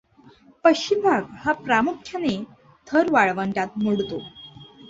पश्चिम भाग हा प्रामुख्याने थर वाळवंटात मोडतो.